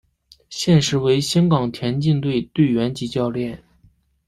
现时为香港田径队队员及教练。